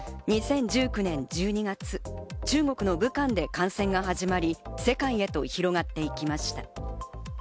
２０１９年１２月、中国の武漢で感染が始まり、世界へと広がっていきました。